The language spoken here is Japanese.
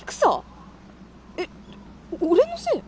えっ俺のせい？